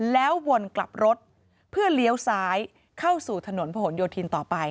แล้ววนกลับรถเพื่อเลี้ยวซ้ายเข้าสู่ถนนผนโยธินต่อไป